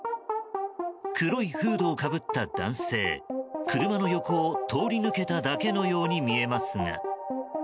黒いフードをかぶった男性車の横を通り抜けただけのように見えますが。